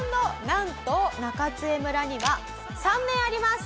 なんと中津江村には３面あります。